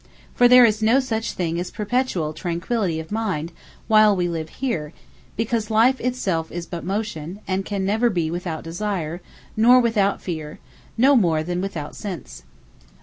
For there is no such thing as perpetual Tranquillity of mind, while we live here; because Life itself is but Motion, and can never be without Desire, nor without Feare, no more than without Sense.